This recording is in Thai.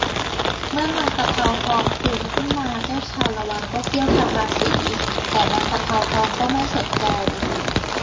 เมื่อนางตะเภาทองฟื้นขึ้นมาเจ้าชาละวันก็เกี้ยวพาราสี แต่นางตะเภาทองก็ไม่สนใจ